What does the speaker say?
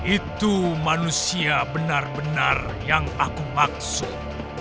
itu manusia benar benar yang aku maksud